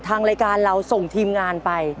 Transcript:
ทางรายการเราส่งทีมงานไป